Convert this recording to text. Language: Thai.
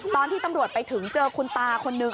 ตอนที่ตำรวจไปถึงเจอคุณตาคนนึง